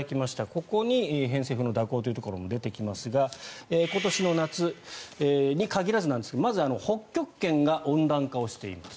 ここに偏西風の蛇行も出てきますが今年の夏に限らずなんですがまず、北極圏が温暖化していると。